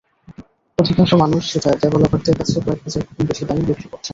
অধিকাংশ মানুষ সেটা ডেভেলপারদের কাছে কয়েক হাজার গুণ বেশি দামে বিক্রি করছেন।